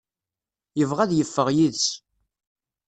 Yebɣa ad yeffeɣ yid-s.